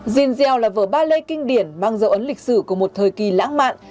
zinzel là vở ballet kinh điển mang dấu ấn lịch sử của một thời kỳ lãng mạn